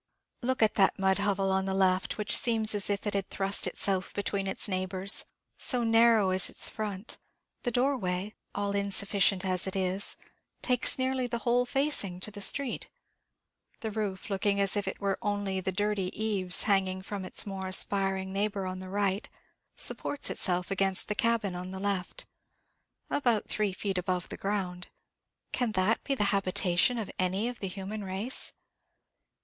Look at that mud hovel on the left, which seems as if it had thrust itself between its neighbours, so narrow is its front! The doorway, all insufficient as it is, takes nearly the whole facing to the street. The roof, looking as if it were only the dirty eaves hanging from its more aspiring neighbour on the right, supports itself against the cabin on the left, about three feet above the ground. Can that be the habitation of any of the human race?